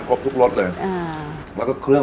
เก็บครบทุกรสเลย